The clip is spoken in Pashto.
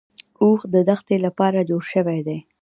اوښ د دښتې لپاره جوړ شوی دی